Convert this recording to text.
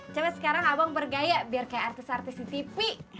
sampai sekarang abang bergaya biar kayak artis artis di tv